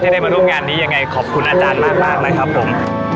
ได้มาร่วมงานนี้ยังไงขอบคุณอาจารย์มากนะครับผม